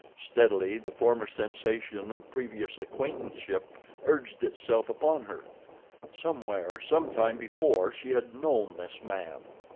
Steadily the former sensation of previous acquaintanceship urged itself upon her. Somewhere, sometime before she had known this man.